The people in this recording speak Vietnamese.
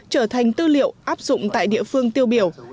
trở thành tư liệu áp dụng tại địa phương tiêu biểu